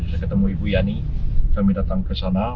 saya ketemu ibu yani kami datang ke sana